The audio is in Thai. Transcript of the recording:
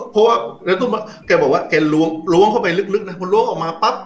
เพราะว่าแกบอกว่าแกล้วงเข้าไปลึกนะคนล้วงออกมาปั๊บ